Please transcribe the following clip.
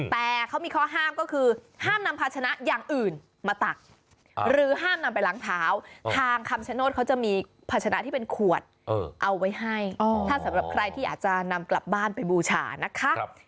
แต่เขามีข้อห้ามก็คือห้ามนำภาชนะอย่างอื่นมาตักหรือห้ามนำไปล้างเท้าทางคำชโนธเขาจะมีภาชนะที่เป็นขวดเอาไว้ให้ถ้าสำหรับใครที่อาจจะนำกลับบ้านไปบูชานะคะ